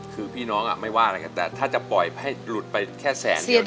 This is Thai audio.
คือพี่น้องไม่ว่าอะไรกันแต่ถ้าจะปล่อยให้หลุดไปแค่แสนเดียว